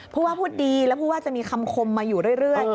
พูดว่าพูดดีแล้วผู้ว่าจะมีคำคมมาอยู่เรื่อย